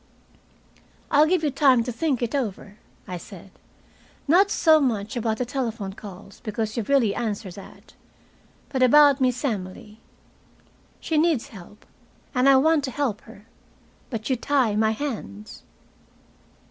"I'll give you time to think it over," I said. "Not so much about the telephone calls, because you've really answered that. But about Miss Emily. She needs help, and I want to help her. But you tie my hands."